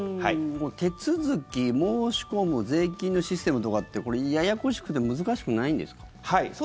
手続き、申し込む税金のシステムとかってこれ、ややこしくて難しくないんですか？